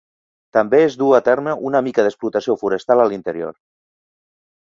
També es duu a terme una mica d'explotació forestal a l'interior.